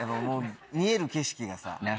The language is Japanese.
見える景色がさぁ。